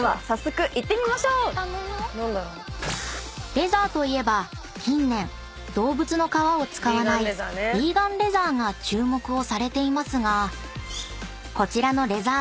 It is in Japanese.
［レザーといえば近年動物の皮を使わないヴィーガンレザーが注目をされていますがこちらのレザーメーカー